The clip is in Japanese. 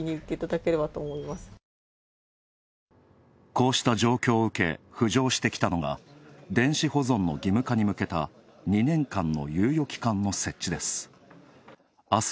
こうした状況を受け、浮上してきたのが電子保存の義務化に向けた２年間の猶予期間の設置です。